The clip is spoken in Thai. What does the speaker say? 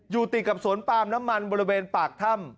ติดกับสวนปาล์มน้ำมันบริเวณปากถ้ำ